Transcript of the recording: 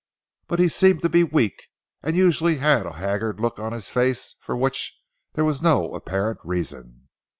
But he seemed to be weak, and usually had a haggard look on his face for which there was no apparent reason.